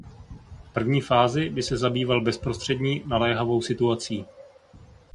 V první fázi by se zabýval bezprostřední, naléhavou situací.